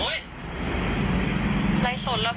น้ำนิ่มอยู่ที่นี่ตอนนี้